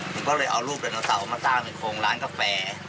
ผมก็เลยเอารูปไดโนเสาร์มาสร้างในโครงร้านกาแฟ